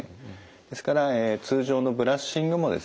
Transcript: ですから通常のブラッシングもですね